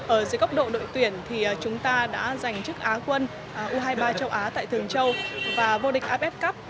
ở dưới góc độ đội tuyển thì chúng ta đã giành chức á quân u hai mươi ba châu á tại thường châu và vô địch apec cup